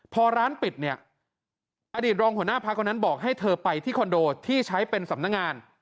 พอร้านปิดเนี่ยอดีตรองหัวหน้าพักคนนั้นบอกให้เธอไปที่คอนโดที่ใช้เป็นสำนักงาน